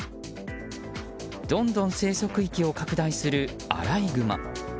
どんどん生息域を拡大するアライグマ。